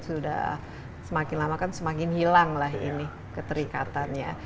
sudah semakin lama kan semakin hilanglah ini keterikatannya